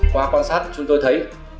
qua quan sát chúng tôi thấy